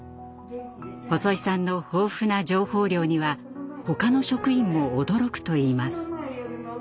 細井さんの豊富な情報量にはほかの職員も驚くといいます。